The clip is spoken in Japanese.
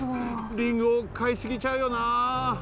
リンゴかいすぎちゃうよな。